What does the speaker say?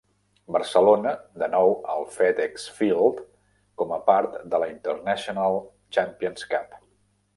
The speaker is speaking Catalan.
Barcelona de nou al FedExField com a part de la International Champions Cup.